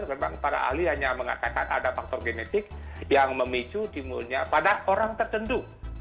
karena para ahli hanya mengatakan ada faktor genetik yang memicu timbulnya pada orang tertentu